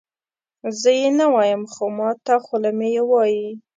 زه یې نه وایم خو ماته خوله مې یې وایي.